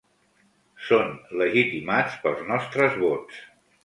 Són legitimats pels nostres vots.